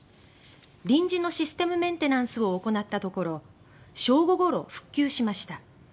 臨時のシステムメンテナンスを行ったところ正午ごろ復旧しました。